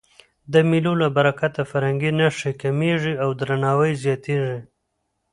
د مېلو له برکته فرهنګي نښتي کمېږي او درناوی زیاتېږي.